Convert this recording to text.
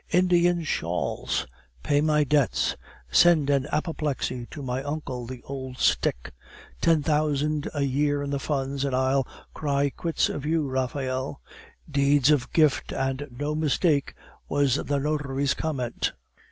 "Indian shawls!" "Pay my debts!" "Send an apoplexy to my uncle, the old stick!" "Ten thousand a year in the funds, and I'll cry quits with you, Raphael!" "Deeds of gift and no mistake," was the notary's comment.